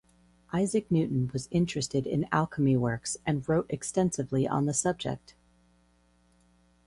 Isaac Newton was interested in Alchemy works and wrote extensively on the subject.